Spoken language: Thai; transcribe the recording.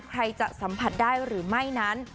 ใครจะสัมผัสได้หรือไม่นั้น